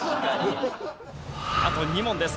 あと２問です。